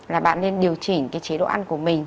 là bạn nên điều chỉnh cái chế độ ăn của mình